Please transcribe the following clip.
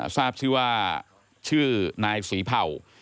ทราบชื่อว่าชื่อนายศรีเผ่า